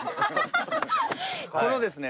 このですね